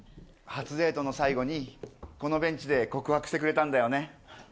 初デートの最後にこのベンチで告白してくれたんだよね。